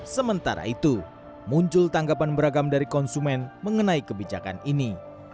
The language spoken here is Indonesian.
sementara itu muncul tanggapan beragam dari konsumen mengenai kebijakan ini